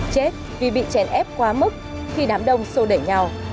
chết vì bị chen ép quá mức khi đám đông xô đẩy nhau